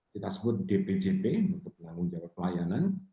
kita sebut dpjp untuk penanggung jawab pelayanan